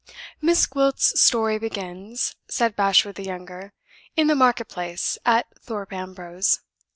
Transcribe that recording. "Miss Gwilt's story begins," said Bashwood the younger, "in the market place at Thorpe Ambrose.